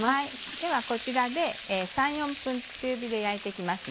ではこちらで３４分中火で焼いて行きます。